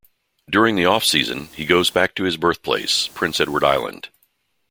During the off-season, he goes back to his birthplace, Prince Edward Island.